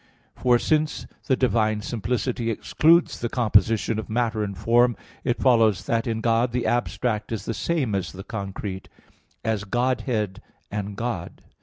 For, since the divine simplicity excludes the composition of matter and form, it follows that in God the abstract is the same as the concrete, as "Godhead" and "God."